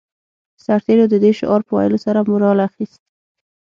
سرتېرو د دې شعار په ويلو سره مورال اخیست